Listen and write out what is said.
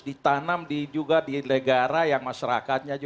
ditanam di negara yang masyarakatnya